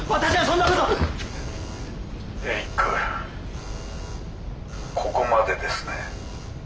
「エリックここまでですね」。